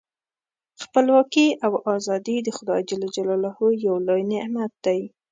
خپلواکي او ازادي د خدای ج یو لوی نعمت دی.